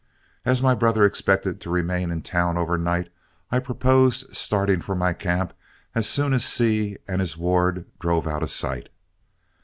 As my brother expected to remain in town overnight, I proposed starting for my camp as soon as Seay and his ward drove out of sight.